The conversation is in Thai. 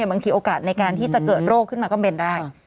บางทีโอกาสในการที่จะเกิดโรคขึ้นมาก็เป็นได้